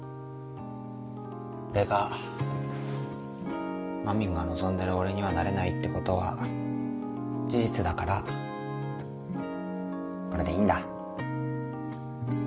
俺がまみんが望んでる俺にはなれないってことは事実だからこれでいいんだ。